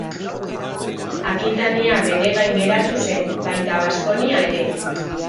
Akitania beregain geratu zen, baita Baskonia ere.